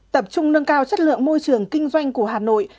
tập trung nâng cao chất lượng môi trường kinh doanh của hà nội